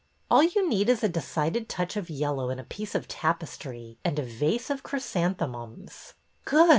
'' All you need is a decided touch of yellow in a piece of tapestry and a vase of chrysanthemums." Good!